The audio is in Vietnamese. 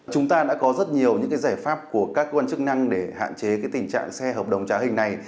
chúng ta đã có rất nhiều những giải pháp của các quan chức năng để hạn chế tình trạng xe hợp đồng trá hình này